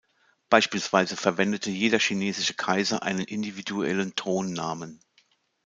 Beispielsweise verwendete jeder chinesische Kaiser einen individuellen Thronnamen.